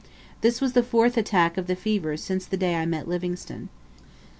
This was the fourth attack of fever since the day I met Livingstone.